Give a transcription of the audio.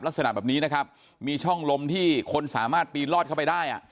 ลักษณะแบบนี้นะครับมีช่องลมที่คนสามารถปีนลอดเข้าไปได้อ่ะ